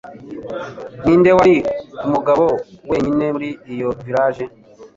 Ninde Wari Umugabo Wenyine muri iyo village